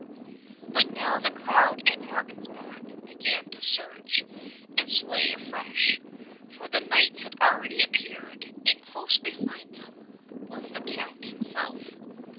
68 But now the crowd at Martin's back began to surge and sway afresh, for the knights had already appeared, and close behind them was the Count himself.